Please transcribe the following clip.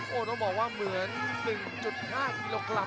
โอ้โหต้องบอกว่าเหมือน๑๕กิโลกรัม